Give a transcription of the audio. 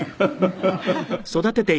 「ハハハハ」